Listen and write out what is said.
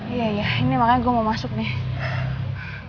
iya iya ini makanya gue mau masuk nih